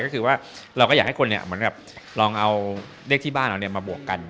เราก็อยากให้คนลองเอาเลขที่บ้านเรามาบวกกัน